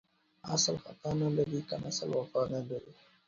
اسل ختا نه لري ، کمسل وفا نه لري.